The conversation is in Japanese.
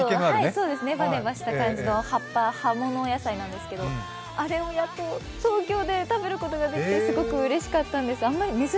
ネバネバした感じの葉っぱ、葉物野菜なんですけどアレをやっと東京で食べることができてすごくうれしかったんです。